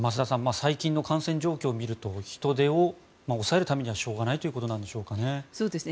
最近の感染状況を見ると人出を抑えるためにはしょうがないということなんでしょうかね。